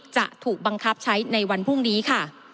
จะถูกบังคับใช้ในวันพรุ่งนี้ค่ะ